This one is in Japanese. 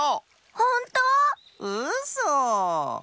ほんと⁉うそ！